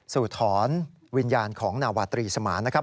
ถอนวิญญาณของนาวาตรีสมานนะครับ